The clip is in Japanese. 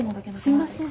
すいません。